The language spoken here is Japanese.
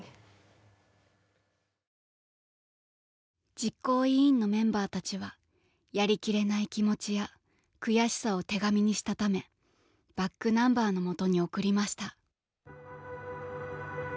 実行委員のメンバーたちはやりきれない気持ちや悔しさを手紙にしたためｂａｃｋｎｕｍｂｅｒの元に送りました。